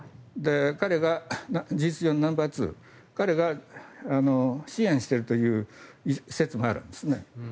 彼が事実上ナンバーツー彼が支援しているという説もあるんですね。